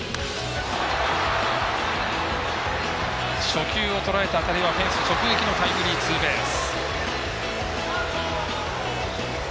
初球をとらえた当たりはフェンス直撃のタイムリーツーベース。